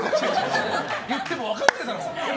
言っても分からないだろ。